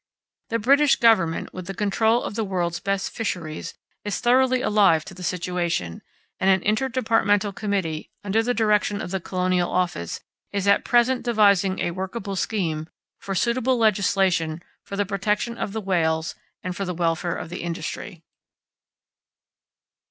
The British Government, with the control of the world's best fisheries, is thoroughly alive to the situation, and an Inter departmental Committee, under the direction of the Colonial Office, is at present devising a workable scheme for suitable legislation for the protection of the whales and for the welfare of the industry.